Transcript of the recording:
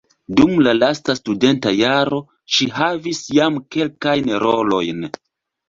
Dum la lasta studenta jaro ŝi havis jam kelkajn rolojn.